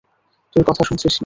তুই কথা শুনছিস না।